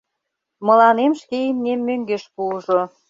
Мыланем шке имнем мӧҥгеш пуыжо.